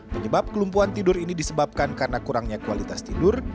penyebab kelumpuhan tidur ini disebabkan karena kurangnya kualitas tidur